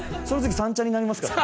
三茶になりますね。